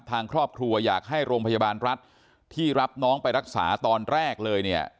ทางครอบครัวอยากให้โรงพยาบาลรัฐที่รับน้องไปรักษาตอนแรกเลยเนี่ย